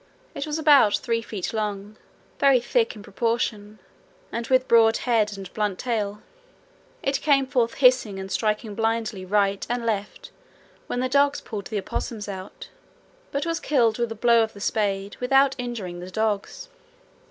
It was about three feet long, very thick in proportion, and with broad head and blunt tail. It came forth hissing and striking blindly right and left when the dogs pulled the opossums out, but was killed with a blow of the spade without injuring the dogs.